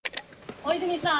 大泉さん